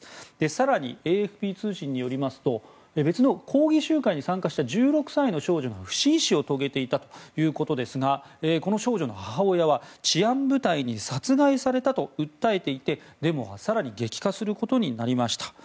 更に、ＡＦＰ通信によりますと別の抗議集会に参加した１６歳の少女が不審死を遂げていたということですがこの少女の母親は治安部隊に殺害されたと訴えていてデモが更に激化することになりました。